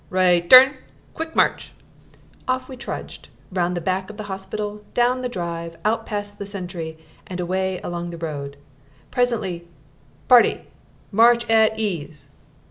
Right turn! Quick march!" Off we trudged, round the back of the hospital, down the drive, out past the sentry and away along the road. Presently, "Party, march at ease!"